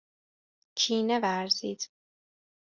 کینه ورزید